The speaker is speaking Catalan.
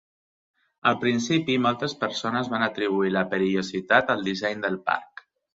Al principi, moltes persones van atribuir la perillositat al disseny del parc.